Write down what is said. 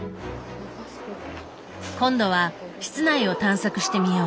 今度は室内を探索してみよう。